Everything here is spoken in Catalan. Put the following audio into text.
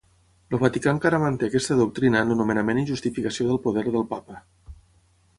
El Vaticà encara manté aquesta doctrina en el nomenament i justificació del poder del Papa.